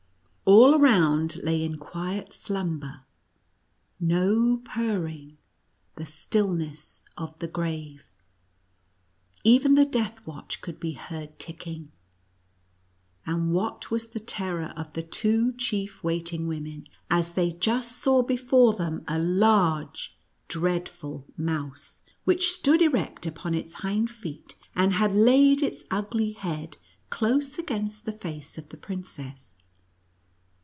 All around lay in quiet slumber — no purring — the stillness of the grave ! even the death watch could be heard ticking ! and what was the terror of the two chief waiting women, as they just saw before them a large, dreadful mouse, which stood erect upon its hind feet, and had laid its ugly head close against the face of the princess.